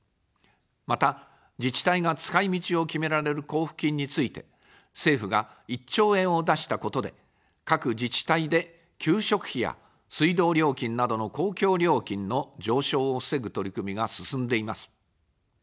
また、自治体が使い道を決められる交付金について、政府が１兆円を出したことで、各自治体で給食費や水道料金などの公共料金の上昇を防ぐ取り組みが進んでいます。